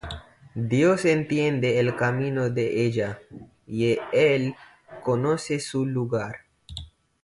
Dios entiende el camino de ella, Y él conoce su lugar.